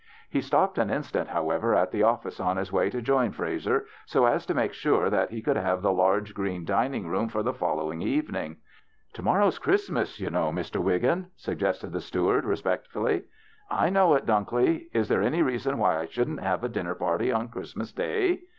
He stopped an instant, however, at the office on his way to join Frazer, so as to make sure that he could have the large green dining room for the folloAving evening. " To morrow's Christmas, you know, Mr. Wiggin ?" suggested the steward, respect fully. " I know it, Dunklee. Is there any reason why I shouldn't give a dinner party on Christ mas day